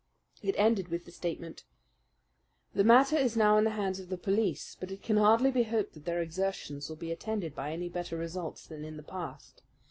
It ended with the statement: The matter is now in the hands of the police; but it can hardly be hoped that their exertions will be attended by any better results than in the past.